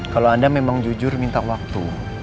kalau anda memang jujur minta waktu